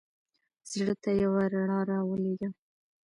زړه ته یوه رڼا را ولېږه.